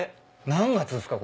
何月っすか？